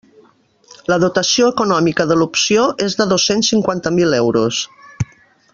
La dotació econòmica de l'opció és de dos-cents cinquanta mil euros.